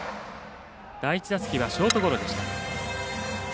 第１打席はショートゴロ。